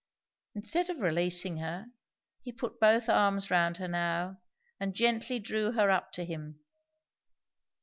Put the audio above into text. Instead of releasing her, he put both arms round her now and gently drew her up to him.